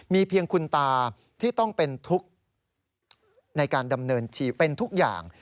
มีเพียงคุณตาที่ต้องเป็นทุกอย่าง